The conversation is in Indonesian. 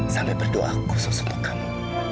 sampai berdoa khusus untuk kami